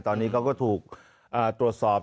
ตอนนี้เขาก็ถูกตรวจสอบ